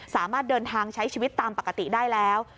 สามารถเดินทางใช้ชีวิตตามปกติได้แล้ว